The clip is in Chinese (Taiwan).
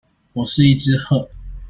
我是一隻鶴